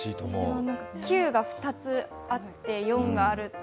９が２つあって４がある。